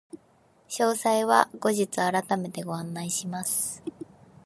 詳細は後日改めてご案内いたします。